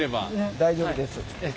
大丈夫です。